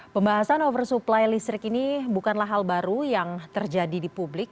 pembahasan oversupply listrik ini bukanlah hal baru yang terjadi di publik